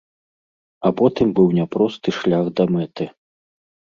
А потым быў няпросты шлях да мэты.